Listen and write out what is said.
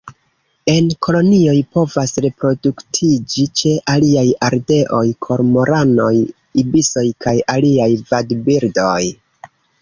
En kolonioj povas reproduktiĝi ĉe aliaj ardeoj, kormoranoj, ibisoj kaj aliaj vadbirdoj.